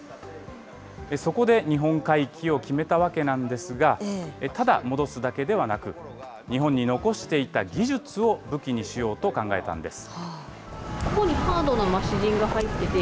そこで、日本回帰を決めたわけなんですが、ただ、戻すだけではなく、日本に残していた技術を武器にしようと考えたんです。